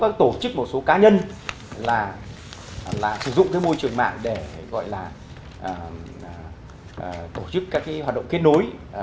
nhất một số cá nhân là sử dụng cái môi trường mạng để gọi là tổ chức các cái hoạt động kết nối